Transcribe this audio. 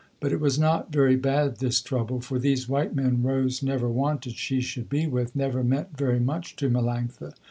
But it was not very bad this trouble, for these white men Rose never wanted she should be with, never meant very much to Melanctha.